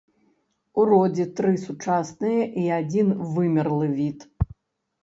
У родзе тры сучасныя і адзін вымерлы від.